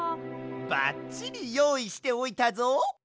ばっちりよういしておいたぞ！